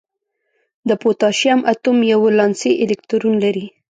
د پوتاشیم اتوم یو ولانسي الکترون لري.